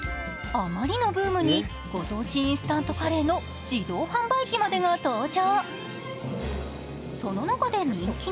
あまりのブームにご当地インスタントカレーの自動販売機までが登場。